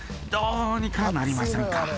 どうにかなりませんか？］